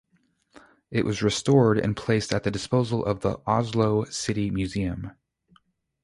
It was restored and placed at the disposal of the Oslo City Museum.